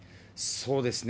そうですね。